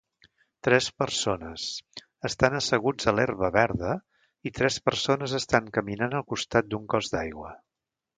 Tres persones estan asseguts a l'herba verda i tres persones estan caminant al costat d'un cos d'aigua.